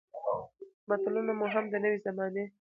متلونه مو هم د نوې زمانې